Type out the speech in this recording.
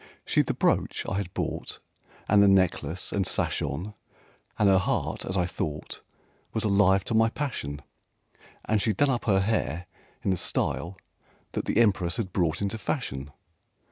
She'd the brooch I had bought And the necklace and sash on, And her heart, as I thought, Was alive to my passion; And she'd done up her hair in the style that the Empress had brought into fashion.